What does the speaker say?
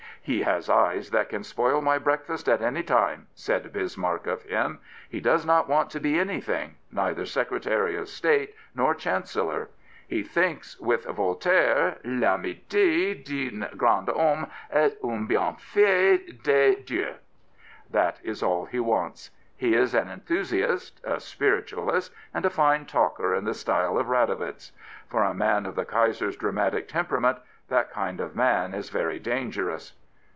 " He has eyes that can spoil my breakfast at any time," said Bismarck of him. " He does not want to b^ anything — neither Secretary of State nor Chancellor. He thinks with Voltaire, Vamitii d'un grand Homme est un hienfaU des dieux. That is aU he wants. He is an enthusiast, a spiritualist, and a fine talker in the style of Radowitz. For a man of the 174 Prince Biilow Kaiser's dramatic temperament that kind of man is very dangerous."